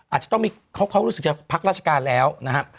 อาจจะต้องมีเขารู้สึกจะพักราชการแล้วนะครับ